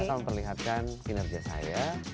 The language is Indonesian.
saya akan memperlihatkan kinerja saya